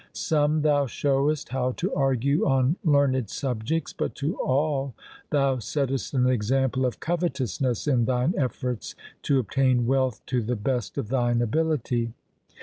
Some thou showest how to argue on learned subjects, but to all thou settest an example of covetousness in thine efforts to obtain wealth to the best of thine ability.